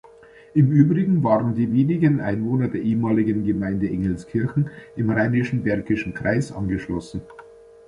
Im Übrigen waren die wenigen Einwohner der ehemaligen Gemeinde Engelskirchen im Rheinisch-Bergischen-Kreis angeschlossen.